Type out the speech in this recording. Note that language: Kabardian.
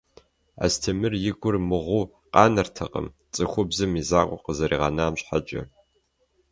Астемыр и гур мыгъуу къанэртэкъым, цӀыхубзым и закъуэ къызэригъэнам щхьэкӀэ.